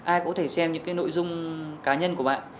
ai cũng có thể xem những cái nội dung cá nhân của bạn